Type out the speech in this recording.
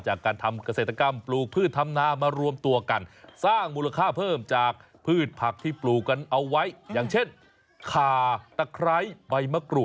จากการทำเกษตรกรรม